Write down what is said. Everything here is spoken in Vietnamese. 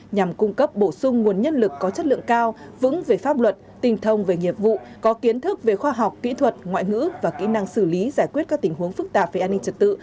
nhằm cung cấp bổ sung nguồn nhân lực có chất lượng cao vững về pháp luật tình thông về nghiệp vụ có kiến thức về khoa học kỹ thuật ngoại ngữ và kỹ năng xử lý giải quyết các tình huống phức tạp về an ninh trật tự